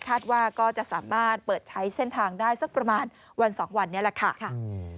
ว่าจะสามารถเปิดใช้เส้นทางได้สักประมาณวันสองวันนี้แหละค่ะ